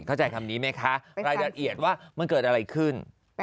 เข้าใจคำนี้ไหมคะรายละเอียดว่ามันเกิดอะไรขึ้น